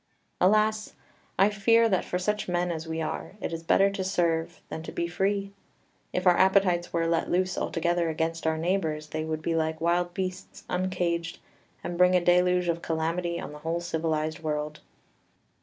10 "Alas! I fear that for such men as we are it is better to serve than to be free. If our appetites were let loose altogether against our neighbours, they would be like wild beasts uncaged, and bring a deluge of calamity on the whole civilised world.